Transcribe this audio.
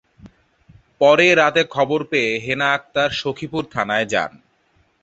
পরে রাতে খবর পেয়ে হেনা আক্তার সখীপুর থানায় যান।